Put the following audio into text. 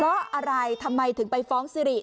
เพราะอะไรทำไมถึงไปฟ้องซิริ